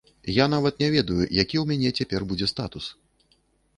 Я нават не ведаю, які у мяне цяпер будзе статус.